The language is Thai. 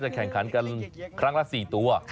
แข่งขันกันครั้งละ๔ตัว